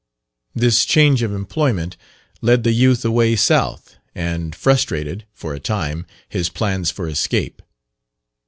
This change of employment led the youth away south and frustrated, for a time, his plans for escape.